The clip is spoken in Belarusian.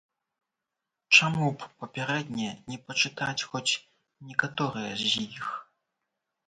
Чаму б папярэдне не пачытаць хоць некаторыя з іх?